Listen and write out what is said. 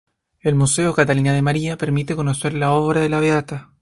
El Museo Catalina de María permite conocer la obra de la beata.